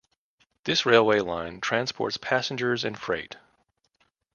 This railway line transports passengers and freight.